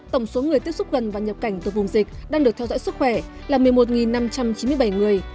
tổng số người tiếp xúc gần và nhập cảnh từ vùng dịch đang được theo dõi sức khỏe là một mươi một năm trăm chín mươi bảy người